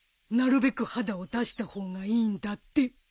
なるべく肌を出した方がいいんだって。